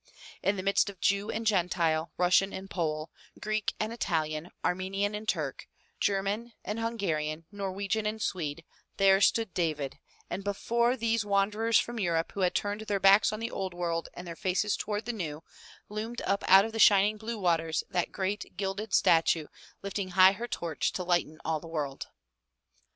In the midst of Jew and Gentile, Russian and Pole, Greek and Italian, Armenian and Turk, German and ^76 M Y BOOK HOUSE Hungarian, Norwegian and Swede, there stood David, and before these wanderers from Europe who had turned their backs on the old world and their faces toward the new, loomed up out of the shining blue waters, that great gilded statue, lifting high her torch to lighten all the world.